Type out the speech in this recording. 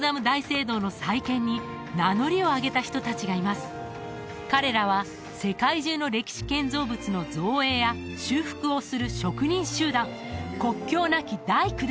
大聖堂の再建に名乗りを上げた人達がいます彼らは世界中の歴史建造物の造営や修復をする職人集団